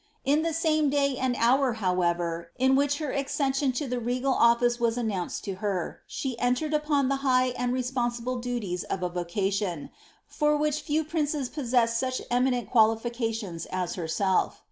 In the same day and hour, however, in which her acce:!i8ion to the regal office was announced to her, she entered upon the high and responsible duties of a vocation, for which few princes possessed such eminent qualifications as herself.